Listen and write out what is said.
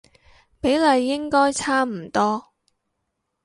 比例應該差唔多